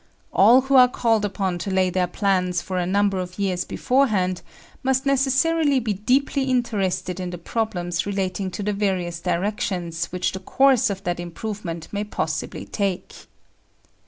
All who are called upon to lay their plans for a number of years beforehand must necessarily be deeply interested in the problems relating to the various directions which the course of that improvement may possibly take.